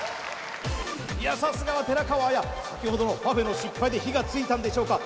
いやさすがは寺川綾先ほどのパフェの失敗で火がついたんでしょうか